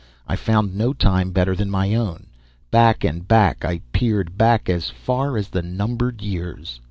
I found no time better than my own. Back and back I peered, back as far as the Numbered Years.